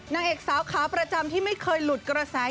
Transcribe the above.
นางเอกสาวขาประจำที่ไม่เคยหลุดกระแส